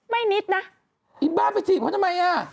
นิดนะไอ้บ้าไปจีบเขาทำไมอ่ะ